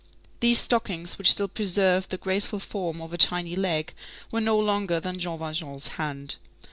These stockings, which still preserved the graceful form of a tiny leg, were no longer than Jean Valjean's hand.